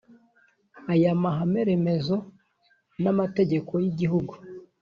Aya mahame remezo n amategeko y igihugu